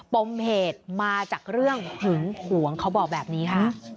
ปมเหตุมาจากเรื่องหึงหวงเขาบอกแบบนี้ค่ะ